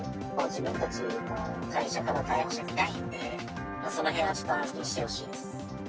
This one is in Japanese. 自分たちの会社から逮捕者いないんで、そのへんはちょっと安心してほしいです。